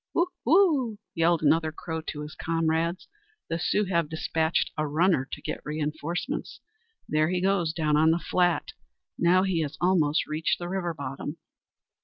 "Whoo! whoo!" yelled another Crow to his comrades, "the Sioux have dispatched a runner to get reinforcements! There he goes, down on the flat! Now he has almost reached the river bottom!"